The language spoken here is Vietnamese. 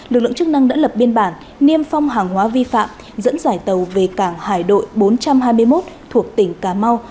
lực lượng chức năng đã lập biên bản niêm phong hàng hóa vi phạm dẫn giải tàu về cảng hải đội bốn trăm hai mươi một thuộc tỉnh cà mau